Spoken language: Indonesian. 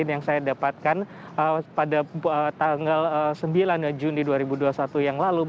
yang saya dapatkan pada tanggal sembilan juni dua ribu dua puluh satu yang lalu